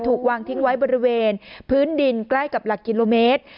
วางทิ้งไว้บริเวณพื้นดินใกล้กับหลักกิโลเมตร